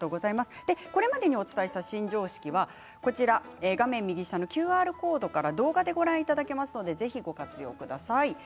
これまでにお伝えしたシン・常識画面右下のＱＲコードからご覧いただけますのでぜひご活用ください。